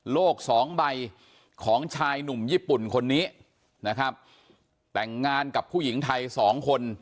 สองใบของชายหนุ่มญี่ปุ่นคนนี้นะครับแต่งงานกับผู้หญิงไทยสองคน